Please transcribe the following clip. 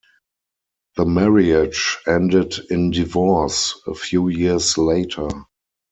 The marriage ended in divorce a few years later.